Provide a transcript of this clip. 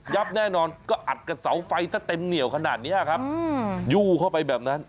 ับแน่นอนก็อัดกับเสาไฟซะเต็มเหนียวขนาดนี้ครับยู่เข้าไปแบบนั้น